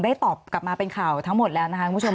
ตอบกลับมาเป็นข่าวทั้งหมดแล้วนะคะคุณผู้ชม